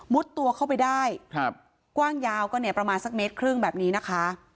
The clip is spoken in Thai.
ตัวเข้าไปได้ครับกว้างยาวก็เนี่ยประมาณสักเมตรครึ่งแบบนี้นะคะ